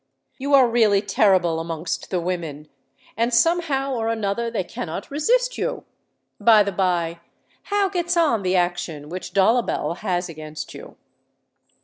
"You are really terrible amongst the women; and, some how or another, they cannot resist you. By the bye, how gets on the action which Dollabel has against you?"